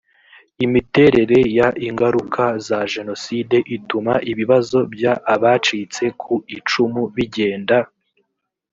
imiterere y ingaruka za jenoside ituma ibibazo by abacitse ku icumu bigenda